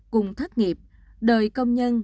cùng thất nghiệp đợi công nhân